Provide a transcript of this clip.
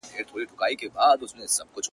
څه دي چي سپين مخ باندې هره شپه د زلفو ورا وي_